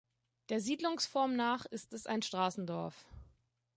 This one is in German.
Der Siedlungsform nach ist es ein Straßendorf.